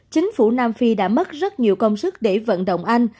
chính phủ nam phi đã mất rất nhiều công sức để vận động anh